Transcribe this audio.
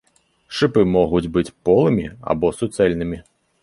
Шыпы могуць быць полымі або суцэльнымі.